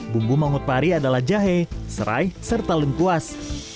bumbu mangut pari adalah jahe serai serta lengkuas